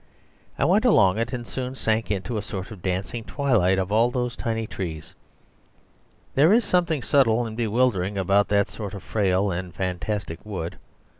I went along it, and soon sank into a sort of dancing twilight of all those tiny trees. There is something subtle and bewildering about that sort of frail and fantastic wood.